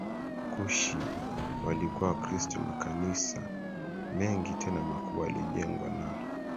Kushi walikuwa Wakristo Makanisa mengi tena makubwa yalijengwa na